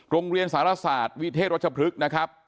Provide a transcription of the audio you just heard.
โรงเรียนสารศาสตร์วิเทศรัชพฤกษ์นะครับ